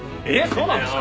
そうなんですか？